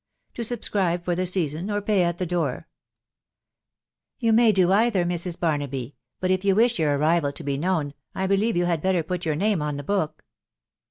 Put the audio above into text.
To subscribe for the or pay at the door ?" "You may do either, Mrs. Baraaby; but if you. wish* your arrival to be known, I believe you had better phts jour. .name on the book."